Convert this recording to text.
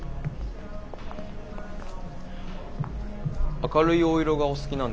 明るいお色がお好きなんですか？